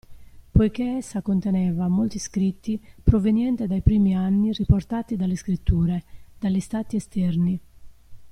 Poiché essa conteneva molti scritti proveniente dai primi anni riportati dalle scritture, dagli stati esterni.